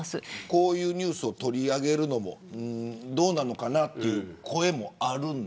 こういうニュースを取り上げるのもどうなのかなという声もある。